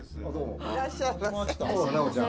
いらっしゃいませ。